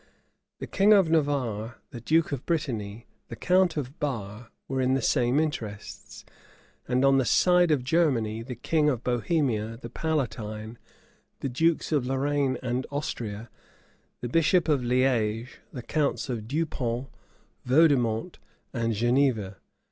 The king of Navarre, the duke of Brittany, the count of Bar, were in the same interests; and on the side of Germany, the king of Bohemia, the Palatine, the dukes of Lorraine and Austria, the bishop of Liege, the counts of Deuxpont, Vaudemont, and Geneva.